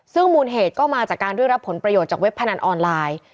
ซึ่งมูลเหตุก็มาจากการด้วยรับผลประโยชน์จากเว็บพนันออนไลน์